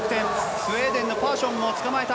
スウェーデンのパーションも捕まえた。